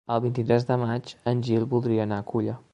El vint-i-tres de maig en Gil voldria anar a Culla.